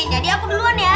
jadi aku duluan ya